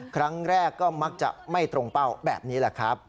ครั้งแรกก็มักจะไม่ตรงเป้าแบบนี้แหละครับ